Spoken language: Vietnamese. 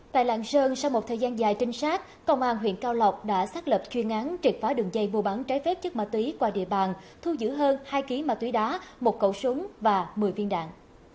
tại lạng sơn sau một thời gian dài trinh sát công an huyện cao lộc đã xác lập chuyên án triệt phá đường dây mua bán trái phép chất ma túy qua địa bàn thu giữ hơn hai kg ma túy đá một cẩu súng và một mươi viên đạn